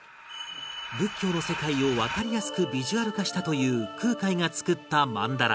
仏教の世界をわかりやすくビジュアル化したという空海が作った曼荼羅